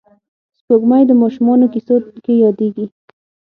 سپوږمۍ د ماشومانو کیسو کې یادېږي